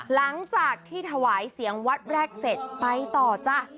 หลังจากที่ถวายเสียงวัดแรกเสร็จไปต่อจ้ะ